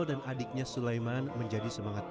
dan adiknya sulaiman menjadi semangat